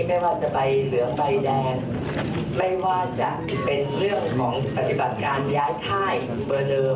ไม่ว่าจะไปเหลือไฟแดงไม่ว่าจะเป็นเรื่องของปฏิบัติการย้ายค่ายของเบอร์เดิม